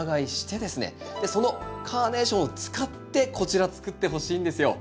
そのカーネーションを使ってこちらつくってほしいんですよ。